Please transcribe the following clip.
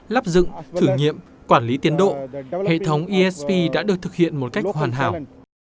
lắp dựng thử nghiệm quản lý tiến độ hệ thống esp đã được thực hiện một cách hoàn hảo